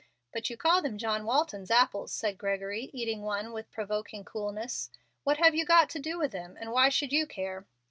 "But you call them John Walton's apples," said Gregory, eating one with provoking coolness. "What have you got to do with them? and why should you care?"